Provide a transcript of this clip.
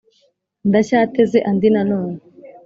Ndacyateze andi na none